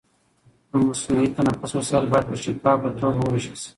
د مصنوعي تنفس وسایل باید په شفافي توګه وویشل شي.